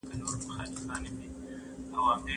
یاد دقران مل دسرسایوانه پر سر نه راځې